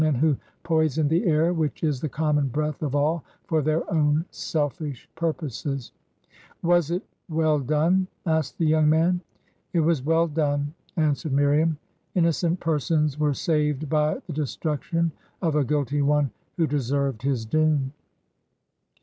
Men who poisoned the air, which is the common breath of all, for their own selfish purposes.' ... 'Was it well done?' asked the young man. 'It was well done,' an swered Miriam ;' innocent persons were saved by the de struction of a guilty one, who deserved his doom.'